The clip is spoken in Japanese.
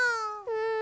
うん。